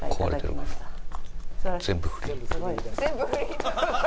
全部フリー。